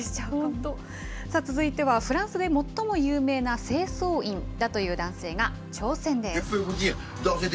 続いては、フランスで最も有名な清掃員だという男性が、挑戦です。